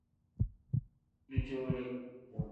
Dujuule.